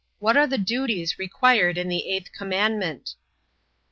What are the duties required in the eighth commandment?